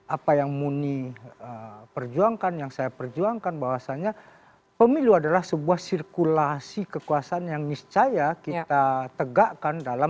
apa yang muni perjuangkan yang saya perjuangkan bahwasannya pemilu adalah sebuah sirkulasi kekuasaan yang niscaya kita tegakkan dalam